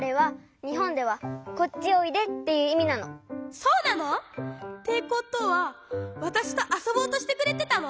そうなの！？ってことはわたしとあそぼうとしてくれてたの？